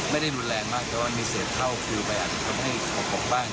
ไม่ได้รุนแรงมากแต่ว่ามีเสพเข้าคลิวไปอาจจะให้ขบบ้าง